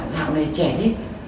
dạo này trẻ thích